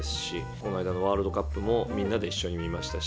この間のワールドカップも、みんなで一緒に見ましたし。